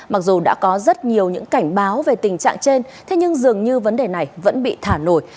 mặc dù đã có rất nhiều những cảnh báo về tình trạng trên thế nhưng dường như vấn đề này vẫn bị thả nổi